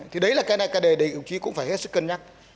thì đấy là cái này cái đề đấy đồng chí cũng phải hết sức cân nhắc